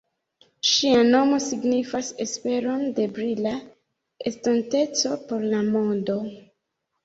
Ŝia nomo signifas esperon de brila estonteco por la mondo.